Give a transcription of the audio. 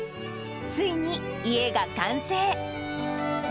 ついに家が完成。